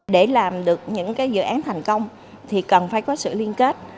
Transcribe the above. để làm được những dự án thành công thì cần phải có sự liên kết